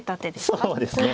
そうですね。